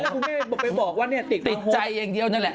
แม่แล้วคุณแม่ไปบอกว่าติดใจอย่างเดียวนั่นแหละ